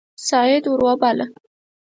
سعد ور وباله.